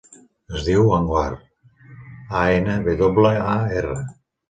Es diu Anwar: a, ena, ve doble, a, erra.